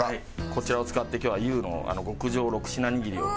こちらを使って今日は由うの極上６品握りを。